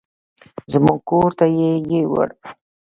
زموږ کور ته يې يوړل.